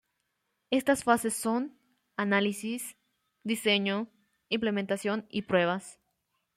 Estas fases son: análisis, diseño, implementación y pruebas.